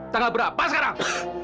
tanggal berapa sekarang